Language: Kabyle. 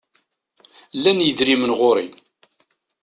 Llan yidrimen ɣur-i.